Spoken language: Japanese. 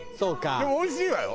でもおいしいわよ。